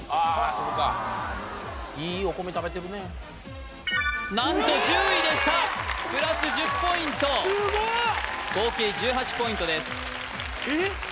そこかいいお米食べてるね何と１０位でしたプラス１０ポイントすごい！合計１８ポイントですえっ！？